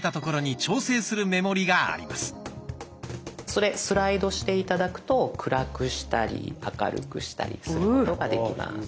それスライドして頂くと暗くしたり明るくしたりすることができます。